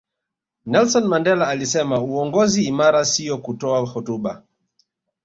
nelson mandela alisema uongozi imara siyo kutoa hotuba